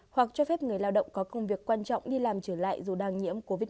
hoặc cho phép người lao động có công việc quan trọng đi làm trở lại dù đang nhiễm covid một mươi chín